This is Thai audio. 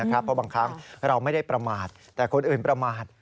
เพราะบางครั้งเราไม่ได้ประมาทแต่คนอื่นประมาท